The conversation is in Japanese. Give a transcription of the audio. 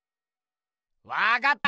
わかった！